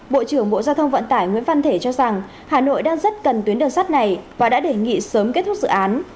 bộ trưởng bộ giao thông vận tải nguyễn văn thể cho rằng hà nội đang rất cần tuyến đường sắt này và đã đề nghị sớm kết thúc dự án